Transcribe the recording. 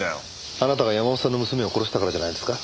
あなたが山本さんの娘を殺したからじゃないですか？